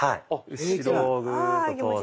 後ろをグーッと通して。